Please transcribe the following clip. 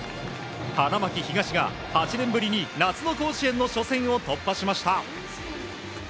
花巻東が８年ぶりに夏の甲子園の初戦を突破しました。